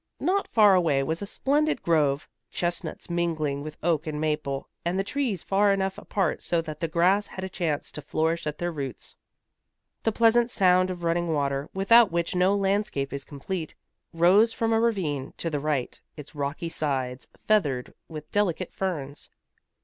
Not far away was a splendid grove, chestnuts mingling with oak and maple, and the trees far enough apart so that the grass had a chance to flourish at their roots. The pleasant sound of running water, without which no landscape is complete, rose from a ravine to the right, its rocky sides feathered with delicate ferns.